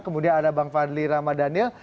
kemudian ada bang fadli ramadhanil